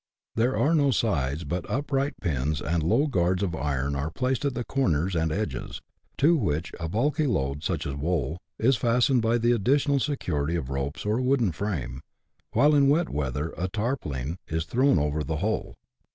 There are no sides, but upright pins and low guards of iron are placed at the corners and edges ; to which a bulky load, such as wool, is fastened by the additional security of ropes or a wooden frame ; while in wet weather a tarpawling is thrown over the whole.